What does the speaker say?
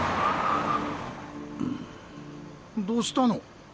どしたの？